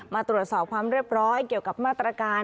มาตรวจสอบความเรียบร้อยเกี่ยวกับมาตรการ